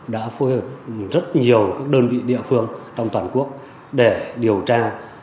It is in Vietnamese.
đã phối hợp rất nhiều các đơn vị địa phương trong toàn quốc để điều tra